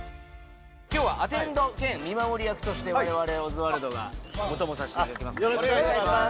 今日はアテンド兼見守り役として我々オズワルドがお供させていただきますんでよろしくお願いします